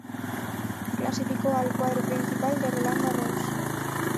Clasificó al cuadro principal de Roland Garros.